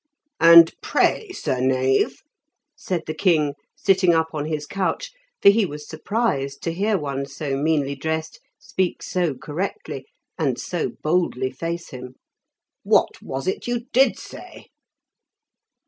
"And pray, sir knave," said the king, sitting up on his couch, for he was surprised to hear one so meanly dressed speak so correctly, and so boldly face him. "What was it you did say?"